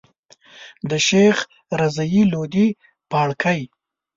د شيخ رضی لودي پاړکی.